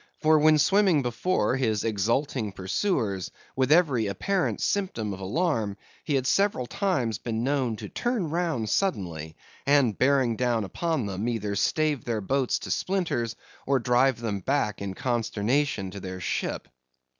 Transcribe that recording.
For, when swimming before his exulting pursuers, with every apparent symptom of alarm, he had several times been known to turn round suddenly, and, bearing down upon them, either stave their boats to splinters, or drive them back in consternation to their ship.